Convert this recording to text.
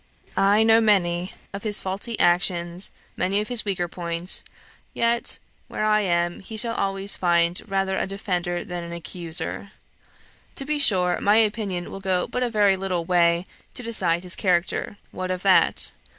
I know many of his faulty actions, many of his weak points; yet, where I am, he shall always find rather a defender than an accuser. To be sure, my opinion will go but a very little way to decide his character; what of that?